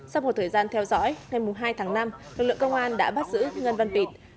sau một thời gian theo dõi ngày hai tháng năm lực lượng công an đã bắt giữ ngân văn pịt